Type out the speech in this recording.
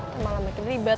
ntar malah makin ribet